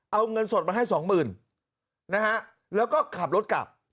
เอาเงินสดมาให้๒๐๐๐๐นะฮะแล้วก็ขับรถกลับ